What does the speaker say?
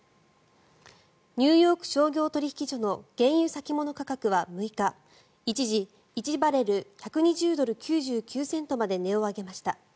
ニューヨーク商業取引所の原油先物価格は６日一時、１バレル１２０ドル９９セントまで値を上げました。